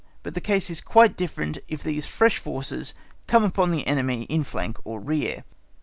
But the case is quite different if these fresh forces come upon the enemy in flank or rear.